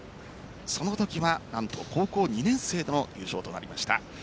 その時は何と高校２年生での優勝となりました。